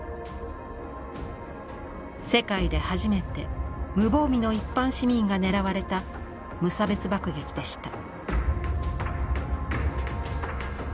世界で初めて無防備の一般市民が狙われた無差別爆撃でした。